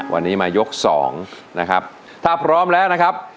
วันนี้มายกสองนะครับถ้าพร้อมแล้วนะครับ